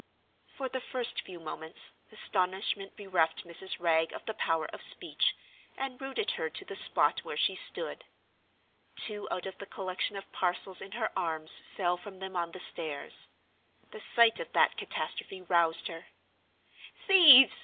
For the first few moments, astonishment bereft Mrs. Wragge of the power of speech, and rooted her to the spot where she stood. Two out of the collection of parcels in her arms fell from them on the stairs. The sight of that catastrophe roused her. "Thieves!"